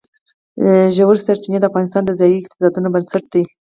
ژورې سرچینې د افغانستان د ځایي اقتصادونو بنسټ دی.